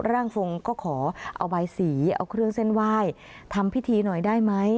ร่างทรงก็ขอเอาใบสีเอาเครื่องเส้นไหว้ทำพิธีหน่อยได้ไหม